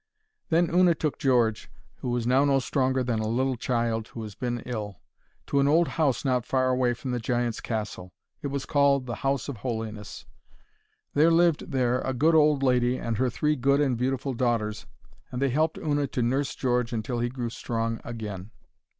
Then Una took George, who was now no stronger than a little child who has been ill, to an old house not far away from the giant's castle. It was called the House of Holiness. There lived there a good old lady and her three good and beautiful daughters, and they helped Una to nurse George until he grew strong again.